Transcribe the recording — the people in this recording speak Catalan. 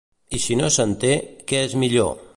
I si no se'n té, què és millor?